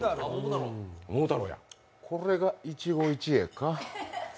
これが一期一会か。